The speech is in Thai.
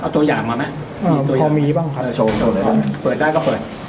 โตใหญ่มาไหมเอ้อพอมีบ้างครับ